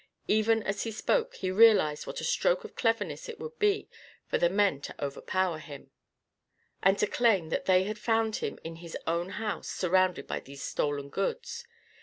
Even as he spoke, he realised what a stroke of cleverness it would be for the men to overpower him and to claim that they had found him in his own house surrounded by these stolen goods.